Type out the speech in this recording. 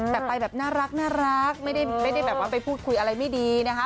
แต่ไปแบบน่ารักไม่ได้แบบว่าไปพูดคุยอะไรไม่ดีนะคะ